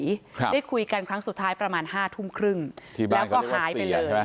แล้วได้คุยกันครั้งสุดท้ายประมาณ๐๕๓๐แล้วก็หายไปเลย